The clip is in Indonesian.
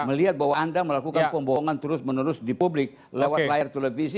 melihat bahwa anda melakukan pembohongan terus menerus di publik lewat layar televisi